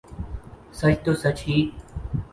سچ تو سچ ہی